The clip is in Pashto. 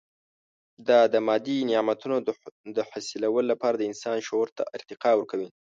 دا د مادي نعمتونو د حصول لپاره د انسان شعور ته ارتقا ورکوي.